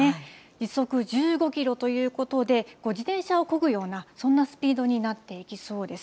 時速１５キロということで、自転車をこぐような、そんなスピードになっていきそうです。